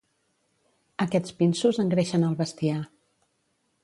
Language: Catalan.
Aquests pinsos engreixen el bestiar.